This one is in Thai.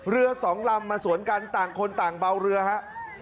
เรือสองลำมาสวนกันต่างคนต่างเบาเรือฮะ